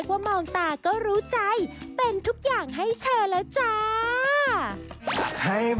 เป็นทุกอย่างให้เธอแล้วจ้า